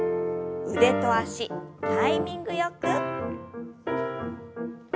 腕と脚タイミングよく。